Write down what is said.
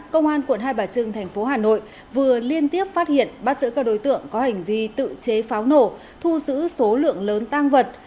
công an quận hai bà trưng thành phố hà nội vừa liên tiếp phát hiện bắt giữ các đối tượng có hành vi tự chế pháo nổ thu giữ số lượng lớn tang vật